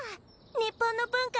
日本の文化